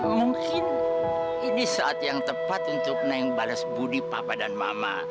mungkin ini saat yang tepat untuk naik bales budi papa dan mama